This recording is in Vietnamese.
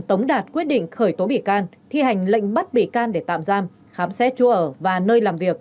tống đạt quyết định khởi tố bị can thi hành lệnh bắt bị can để tạm giam khám xét chỗ ở và nơi làm việc